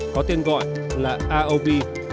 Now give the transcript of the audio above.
có tên gọi là aov